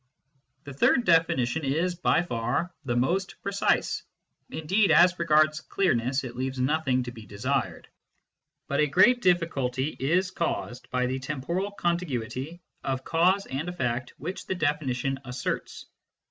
The third definition is by far the most precise ; indeed as regards clearness it leaves nothing to be desired. But a great difficulty is caused by the temporal contiguity of cause and effect which the definition asserts.